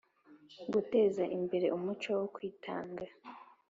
iii Guteza imbere umuco wo kwitangira